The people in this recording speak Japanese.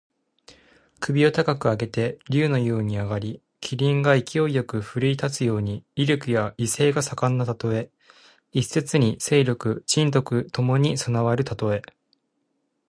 首を高く上げて竜のように上り、麒麟が勢いよく振るい立つように、威力や勢力が盛んなたとえ。一説に勢力・仁徳ともに備わるたとえ。